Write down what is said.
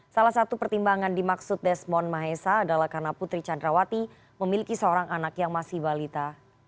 salah satu pertimbangan dimaksud desmond mahesa adalah karena putri candrawati memiliki seorang anak yang masih balita